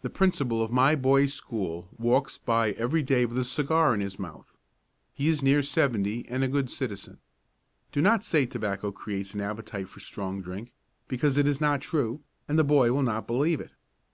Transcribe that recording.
The principal of my boy's school walks by every day with a cigar in his mouth. He is near seventy and a good citizen. Do not say tobacco creates an appetite for strong drink, because it is not true, and the boy will not believe it.